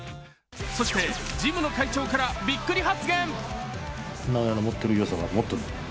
そして、ジムの会長からびっくり発言。